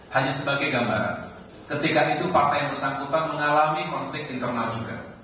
hanya sebagai gambaran ketika itu partai yang bersangkutan mengalami konflik internal juga